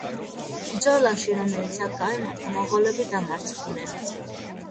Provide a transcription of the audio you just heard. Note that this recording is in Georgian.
ბრძოლაში, რომელიც აქ გაიმართა, მონღოლები დამარცხდნენ.